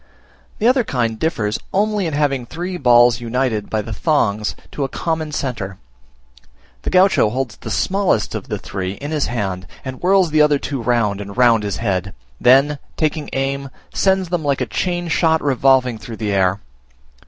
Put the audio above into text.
The other kind differs only in having three balls united by the thongs to a common centre. The Gaucho holds the smallest of the three in his hand, and whirls the other two round and round his head; then, taking aim, sends them like chain shot revolving through the air.